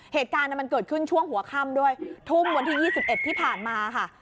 เหตุการณ์มันเกิดขึ้นช่วงหัวค่ำด้วยทุ่มวันที่๒๑ที่ผ่านมาค่ะ